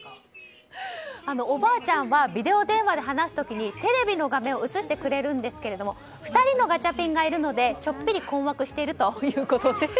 おばあちゃんはビデオ電話で話す時にテレビの画面を映してくれるんですが２人のガチャピンがいるのでちょっぴり困惑しているということです。